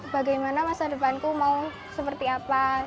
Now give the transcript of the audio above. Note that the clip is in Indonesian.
bagaimana masa depanku mau seperti apa